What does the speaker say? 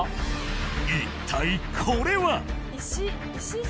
一体これは！？